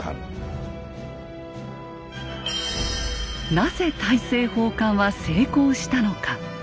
なぜ大政奉還は成功したのか。